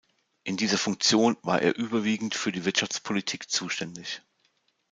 In dieser Funktion war er überwiegend für die Wirtschaftspolitik zuständig.